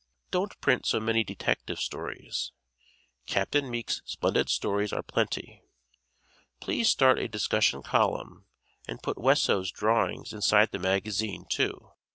Don't print so many detective stories. Capt. Meek's splendid stories are plenty. Please start a discussion column and put Wesso's drawings inside the magazine, too.